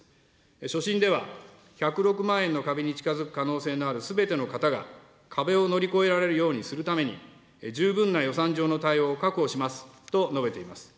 所信では１０６万円の壁に近づく可能性のある、すべての方が壁を乗り越えられるようにするために、十分な予算上の対応を確保しますと述べています。